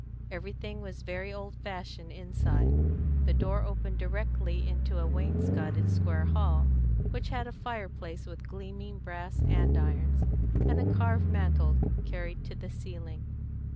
Everything was very old fashioned inside. The door opened directly into a wainscoted square hall, which had a large fireplace with gleaming brass andirons, and a carved mantel carried to the ceiling.